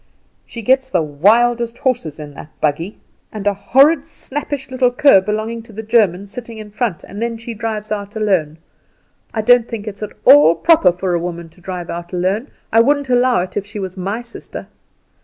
"She gets the wildest horses in that buggy, and a horrid snappish little cur belonging to the German sitting in front, and then she drives out alone. I don't think it's at all proper for a woman to drive out alone; I wouldn't allow it if she was my sister.